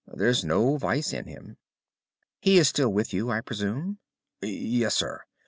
There's no vice in him." "He is still with you, I presume?" "Yes, sir.